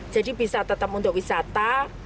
jadi bisa tetap untuk wisata